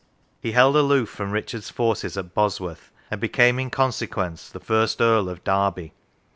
He held aloof from Richard's forces at Bosworth, and became in consequence the first Earl of Derby.